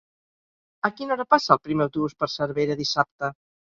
A quina hora passa el primer autobús per Cervera dissabte?